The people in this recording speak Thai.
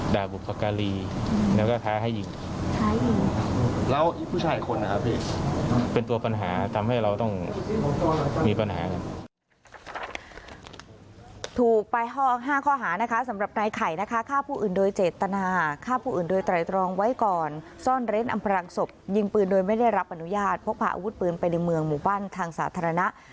ถูกไป๕ข้อหานะคะสำหรับนายไข่นะคะฆ่าผู้อื่นโดยเจตนาฆ่าผู้อื่นโดยไตรตรองไว้ก่อนซ่อนเร้นอำพลังศพยิงปืนโดยไม่ได้รับอนุญาตพกพาอาวุธปืนไปในเมืองหมู่บ้านทางสาธารณะ